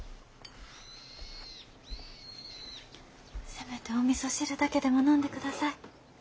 せめておみそ汁だけでも飲んでください。